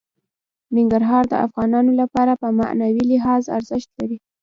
ننګرهار د افغانانو لپاره په معنوي لحاظ ارزښت لري.